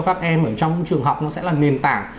các em ở trong trường học nó sẽ là nền tảng